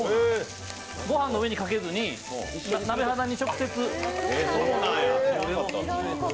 ごはんの上にかけず、鍋肌に直接。